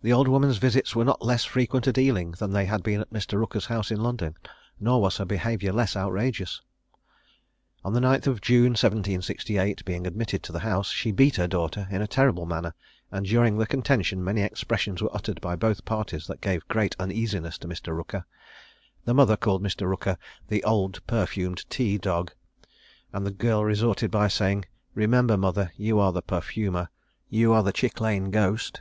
The old woman's visits were not less frequent at Ealing than they had been at Mr. Rooker's house in London; nor was her behaviour less outrageous. On the 9th of June 1768, being admitted to the house, she beat her daughter in a terrible manner; and during the contention many expressions were uttered by both parties that gave great uneasiness to Mr. Rooker. The mother called Mr. Rooker "the old perfumed tea dog;" and the girl retorted by saying, "Remember, mother, you are the perfumer; you are the Chick lane ghost."